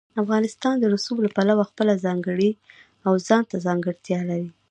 افغانستان د رسوب له پلوه خپله ځانګړې او ځانته ځانګړتیا لري.